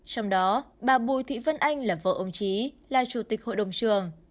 trong đó bà bùi thị vân anh là vợ ông chí là chủ tịch hội đồng trường